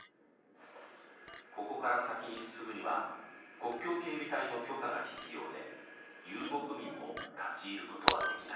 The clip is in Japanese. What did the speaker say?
ここから先に進むには国境警備隊の許可が必要で遊牧民も立ち入ることはできない。